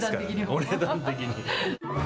お値段的に。